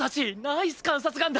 ナイス観察眼だ！